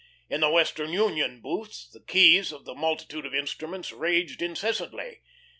In the Western Union booths the keys of the multitude of instruments raged incessantly.